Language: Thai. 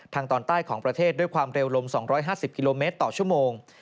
ตอนใต้ของประเทศด้วยความเร็วลม๒๕๐กิโลเมตรต่อชั่วโมง